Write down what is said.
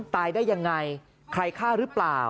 ตายได้ยังไงใครฆ่าหรือเปล่า